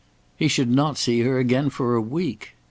He should not see her again for a week.